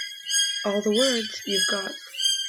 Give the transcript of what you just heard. All the words you've got.